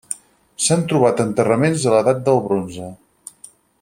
S'han trobat enterraments de l'Edat del Bronze.